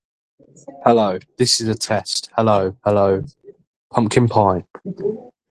Bates served until President Jackson named judge Charles S. Bibb to the post.